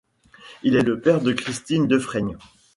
Il est le père de Christine Defraigne.